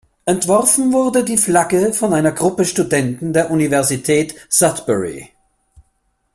Entworfen wurde die Flagge von einer Gruppe Studenten der Universität Sudbury.